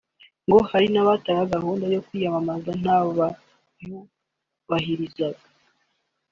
ngo hari n’abatangaga gahunda yo kwiyamamaza ntibayubahirize